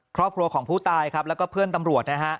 ครอบครัวของผู้ตายครับแล้วก็เพื่อนตำรวจนะฮะ